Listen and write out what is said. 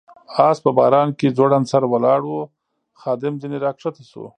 آس په باران کې ځوړند سر ولاړ و، خادم ځنې را کښته شو.